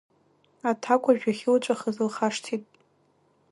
Аҭакәажә иахьылҵәахыз лхашҭит.